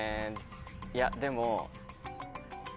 いやでも。